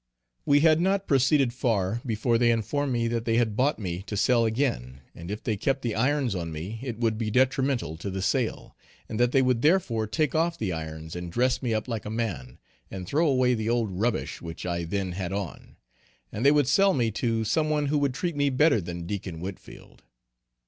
We had not proceeded far before they informed me that they had bought me to sell again, and if they kept the irons on me it would be detrimental to the sale, and that they would therefore take off the irons and dress me up like a man, and throw away the old rubbish which I then had on; and they would sell me to some one who would treat me better than Deacon Whitfield.